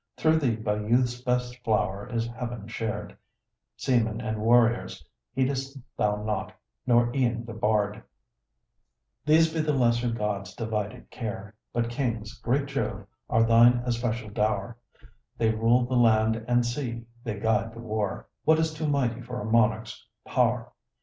Through thee by youth's best flower is heaven shared Seamen and warriors heed'st thou not, nor e'en the bard: These be the lesser gods' divided care But kings, great Jove, are thine especial dow'r; They rule the land and sea; they guide the war What is too mighty for a monarch's pow'r?